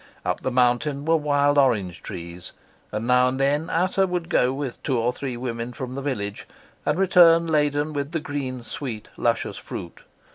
Up the mountain were wild orange trees, and now and then Ata would go with two or three women from the village and return laden with the green, sweet, luscious fruit.